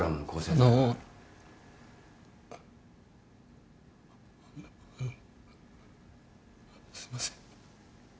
あのすいません。